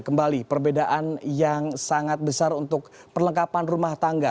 kembali perbedaan yang sangat besar untuk perlengkapan rumah tangga